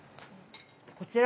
こちら。